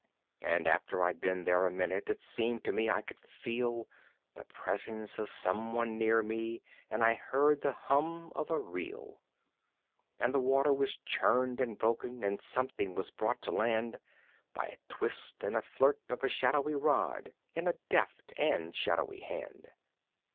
And after I'd been there a minute it seemed to me I could feel The presence of someone near me, and I heard the hum of a reel. And the water was churned and broken, and something was brought to land By a twist and flirt of a shadowy rod in a deft and shadowy hand.